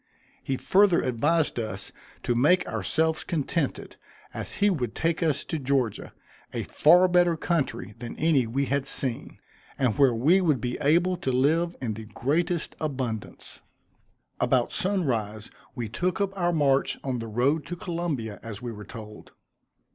He further advised us to make ourselves contented, as he would take us to Georgia, a far better country than any we had seen; and where we would be able to live in the greatest abundance. About sunrise we took up our march on the road to Columbia, as we were told.